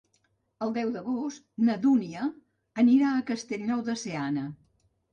El deu d'agost na Dúnia anirà a Castellnou de Seana.